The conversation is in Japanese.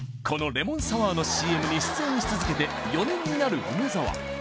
このレモンサワーのＣＭに出演し続けて４年になる梅沢